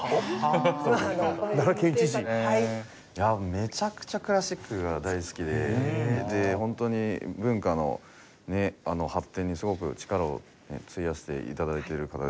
めちゃくちゃクラシックが大好きでホントに文化の発展にすごく力を費やして頂いている方ですよね。